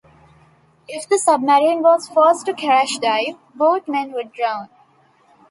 If the submarine was forced to crash dive, both men would drown.